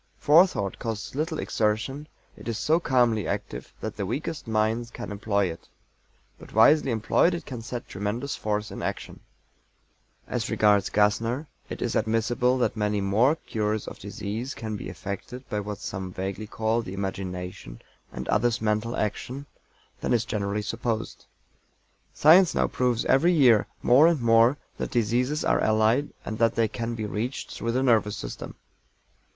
Forethought costs little exertion: it is so calmly active that the weakest minds can employ it; but wisely employed it can set tremendous force in action. As regards GASSNER, it is admissible that many more cures of disease can be effected by what some vaguely call the Imagination, and others Mental Action, than is generally supposed. Science now proves every year, more and more, that diseases are allied, and that they can be reached through the nervous system.